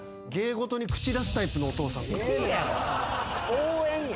応援や。